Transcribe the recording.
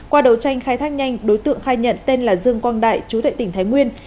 qua đầu tranh khai thác nhanh đối tượng khai nhận tên là dương quang đại chú tệ tỉnh thái nguyên